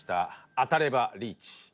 当たればリーチ。